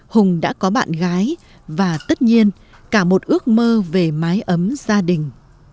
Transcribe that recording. hùng đã có bạn gái và tất nhiên cả một ước mơ về mái ấm gia đình